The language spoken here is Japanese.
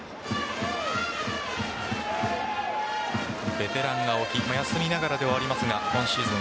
ベテラン・青木休みながらではありますが今シーズン